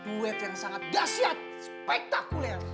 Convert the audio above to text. duet yang sangat dahsyat spektakuler